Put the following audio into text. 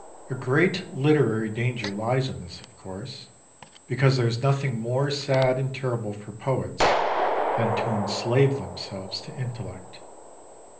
A great literary danger lies in this, of course, because there is nothing more sad and terrible for poets than to enslave themselves to intellect.